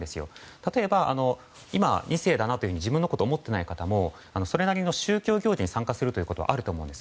例えば、今、２世だなというふうに思っていない方もそれなりの宗教行事に参加することはあると思います。